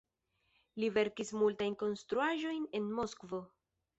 Li verkis multajn konstruaĵojn en Moskvo.